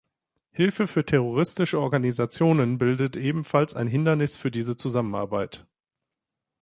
Hilfe für terroristische Organisationen bildet ebenfalls ein Hindernis für diese Zusammenarbeit.